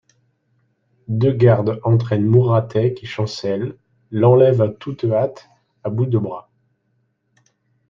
Deux gardes entraînent Mouratet qui chancelle, l'enlèvent en toute hâte, à bout de bras.